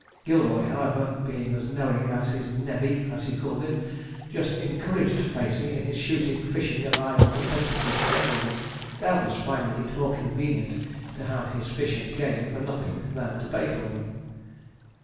Gilroy, however, being as knowing as 'his nevvey,' as he called him, just encouraged Facey in his shooting, fishing, and idle propensities generally, doubtless finding it more convenient to have his fish and game for nothing than to pay for them.